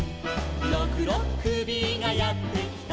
「ろくろっくびがやってきた」